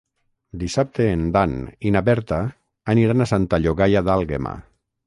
Dissabte en Dan i na Berta aniran a Santa Llogaia d'Àlguema.